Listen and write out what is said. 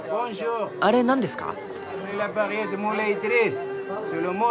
あれ何ですか？